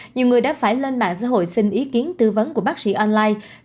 nhiều người đã phải lên mạng xã hội xin ý kiến tư vấn của bác sĩ online